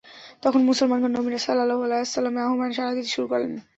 তখন মুসলমানগণ নবী সাল্লাল্লাহু আলাইহি ওয়াসাল্লামের আহবানে সাড়া দিতে শুরু করলেন।